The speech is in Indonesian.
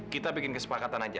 kita bikin kesepakatan aja